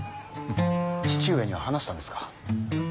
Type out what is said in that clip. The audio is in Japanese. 父上には話したんですか？